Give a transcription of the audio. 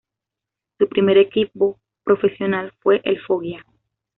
Su primer equipo profesional fue el Foggia.